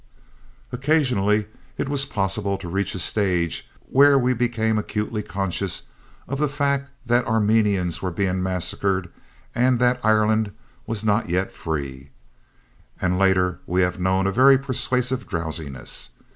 Occasionally, it was possible to reach a stage where we became acutely conscious of the fact that Armenians were being massacred and that Ireland was not yet free. And later we have known a very persuasive drowsiness.